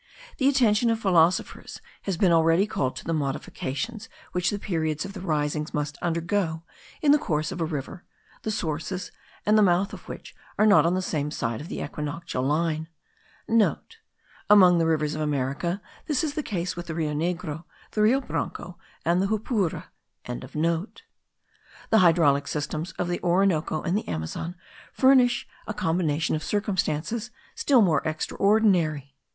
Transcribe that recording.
the attention of philosophers has been already called to the modifications which the periods of the risings must undergo in the course of a river, the sources and the mouth of which are not on the same side of the equinoctial line.* (* Among the rivers of America this is the case with the Rio Negro, the Rio Branco, and the Jupura.) The hydraulic systems of the Orinoco and the Amazon furnish a combination of circumstances still more extraordinary.